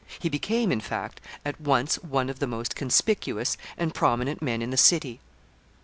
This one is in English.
He became, in fact, at once one of the most conspicuous and prominent men in the city.